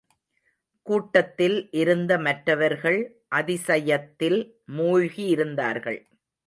கூட்டத்தில் இருந்த மற்றவர்கள் அதிசயத்தில் மூழ்கியிருந்தார்கள்.